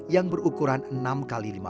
yang berukuran enam kali lebih besar